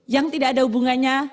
yang tidak ada hubungannya